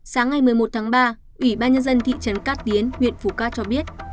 sáng ngày một mươi một tháng ba ủy ban nhân dân thị trấn cát tiến huyện phủ cát cho biết